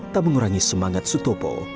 tak mengurangi semangat sutopo